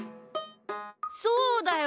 そうだよ！